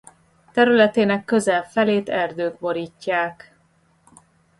Területének közel felét erdők borítják.